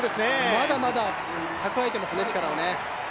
まだまだ蓄えていますね、力を。